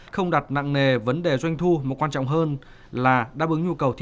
không đặt nặng nề vấn đề doanh thu mà quan trọng hơn là đáp ứng nhu cầu